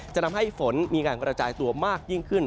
จะทำให้ฝนมีการกระจายตัวมากยิ่งขึ้น